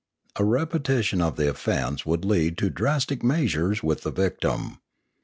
A repetition of the offence would lead to drastic measures with the victim.